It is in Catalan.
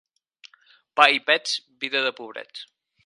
Pa i pets... vida de pobrets!